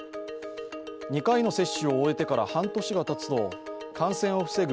２回の接種を終えてから半年がたつと感染を防ぐ